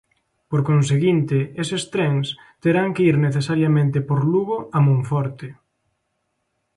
Por conseguinte, eses trens, terán que ir necesariamente por Lugo a Monforte.